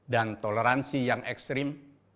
dan toleransi yang ekstrim